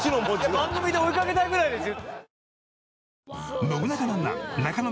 番組で追いかけたいくらいですよ。